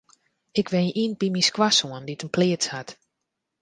Ik wenje yn by my skoansoan dy't in pleats hat.